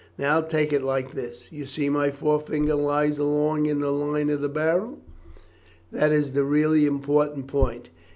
Now take it like this; you see my forefinger lies along in the line of the barrel, that is the really important point.